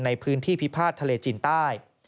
ในพื้นที่พิพาททะเลจีนใต้